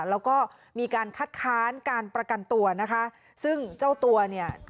แล้วก็มีการคัดค้านการประกันตัวนะคะซึ่งเจ้าตัวเนี่ย